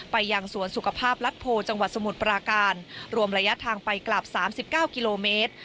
ไปยังสวนสุขภาพรัฐโพจังหวัดสมุทรปราการรวมระยะทางไปกลับ๓๙กิโลเมตร